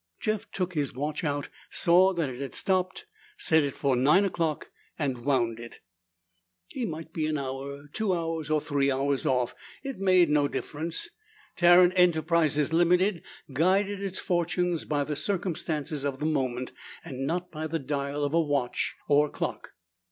Jeff took his watch out, saw that it had stopped, set it for nine o'clock, and wound it. He might be an hour, two hours, or three hours, off. It made no difference. Tarrant Enterprises, Ltd., guided its fortunes by the circumstances of the moment and not by the dial of a watch or clock.